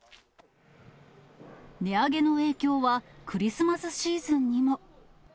値上げの影響はクリスマスシーズンにも。